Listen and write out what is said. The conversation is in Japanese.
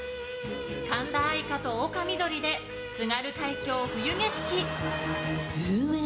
神田愛花と丘みどりで「津軽海峡・冬景色」。